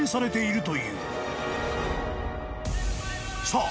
［さあ